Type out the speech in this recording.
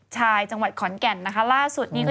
อู่ไอ้เวียสวัสดี